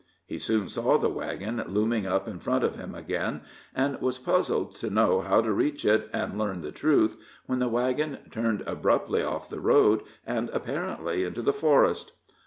He soon saw the wagon looming up in front of him again, and was puzzled to know how to reach it and learn the truth, when the wagon turned abruptly off the road, and apparently into the forest.